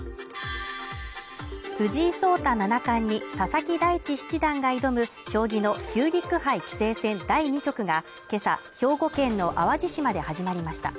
藤井聡太七冠に佐々木大地七段が挑む将棋のヒューリック杯棋聖戦第２局が今朝、兵庫県の淡路島で始まりました。